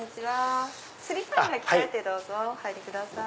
スリッパに履き替えてどうぞお入りください。